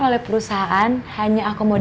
oleh perusahaan hanya akomodasi